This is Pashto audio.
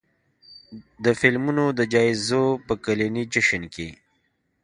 د فلمونو د جایزو په کلني جشن کې